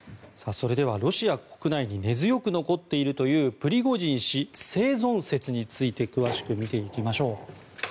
それでは、ロシア国内に根強く残っているというプリゴジン氏生存説について詳しく見ていきましょう。